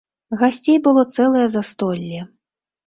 Гасцей было цэлае застолле.